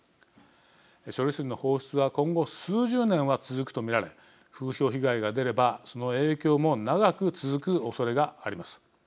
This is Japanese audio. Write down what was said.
処理水の放出は今後、数十年は続くと見られ風評被害が出ればその影響も長く続くおそれがあります。